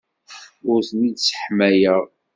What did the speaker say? Ur ten-id-sseḥmayeɣ.